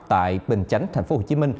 tại bình chánh tp hcm